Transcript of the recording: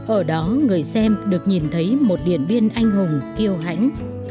ở đó người xem được nhìn thấy một điện biên anh hùng kiêu hãnh